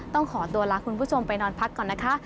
ต้องขอตัวลาคุณผู้ชมไปนอนพักก่อนนะคะ